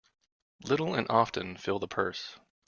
Little and often fill the purse.